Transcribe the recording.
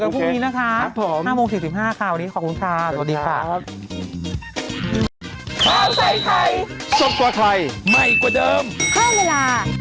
เจอกันพรุ่งนี้นะคะ๕โมง๔๕ค่ะวันนี้ขอบคุณค่ะสวัสดีค่ะสวัสดีค่ะ